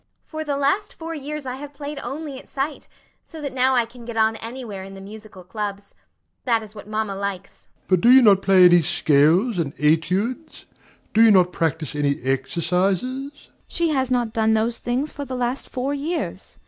FATIMA. For the last four years I have played only at sight, so that now I can get on anywhere in the musical clubs. That is what mamma likes. DOMINIE. But do you not play any scales and études? do you not practise any exercises? AUNT. She has not done those things for the last four years.